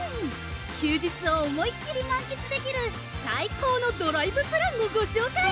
休日を思いっきり満喫できる最高のドライブプランをご紹介。